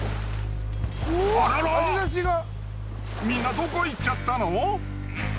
みんなどこ行っちゃったの？